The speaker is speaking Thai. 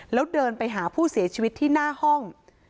แล้วเดินไปหาผู้เสียชีวิตที่หน้าห้อง